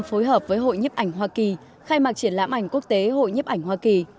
phối hợp với hội nhấp ảnh hoa kỳ khai mạc triển lãm ảnh quốc tế hội nhếp ảnh hoa kỳ